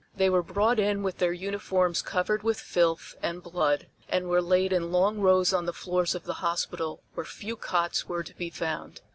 They were brought in with their uniforms covered with filth and blood, and were laid in long rows on the floors of the hospital where few cots were to be found.